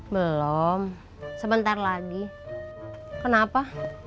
belum sebentar lagi kenapa